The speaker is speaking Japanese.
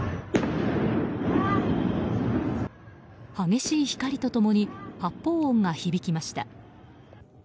激しい光と共に発砲音が響きました。